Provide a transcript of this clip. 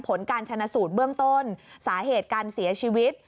ผลการชนะสูตรเบื้องต้นสาเหตุการเสียชีวิต